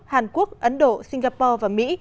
hàn quốc ấn độ singapore và mỹ